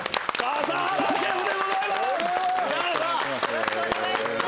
よろしくお願いします。